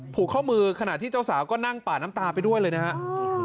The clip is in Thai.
ผูกข้อมือขณะที่เจ้าสาวก็นั่งปาดน้ำตาไปด้วยเลยนะครับ